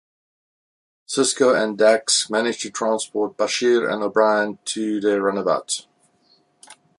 Sisko and Dax manage to transport Bashir and O'Brien to their runabout.